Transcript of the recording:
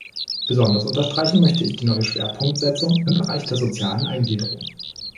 Besonders unterstreichen möchte ich die neue Schwerpunktsetzung im Bereich der sozialen Eingliederung.